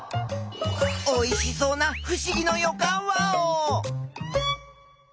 おいしそうなふしぎのよかんワオ！